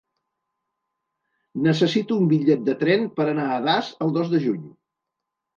Necessito un bitllet de tren per anar a Das el dos de juny.